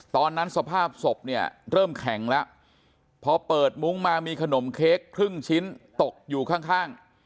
สภาพศพเนี่ยเริ่มแข็งแล้วพอเปิดมุ้งมามีขนมเค้กครึ่งชิ้นตกอยู่ข้าง